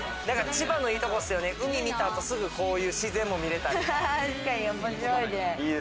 千葉のいいとこっすよね、海見たあと、こういう自然も見れたり。